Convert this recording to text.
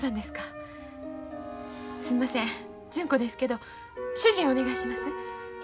すんません。